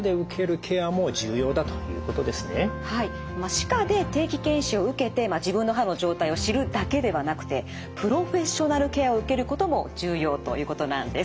歯科で定期健診を受けて自分の歯の状態を知るだけではなくてプロフェッショナルケアを受けることも重要ということなんです。